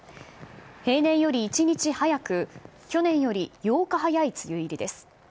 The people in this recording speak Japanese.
平年より１日早く、去年より８日早い梅雨入りです。